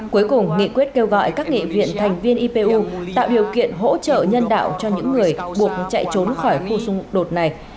cuối cùng nghị quyết kêu gọi các nghị viện thành viên ipu tạo điều kiện hỗ trợ nhân đạo cho những người buộc chạy trốn khỏi khu xung đột này